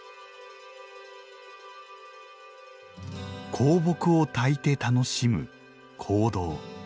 香木をたいて楽しむ「香道」。